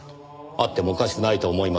あってもおかしくないと思いますよ。